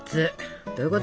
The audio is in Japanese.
どういうこと？